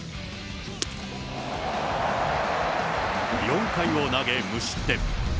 ４回を投げ無失点。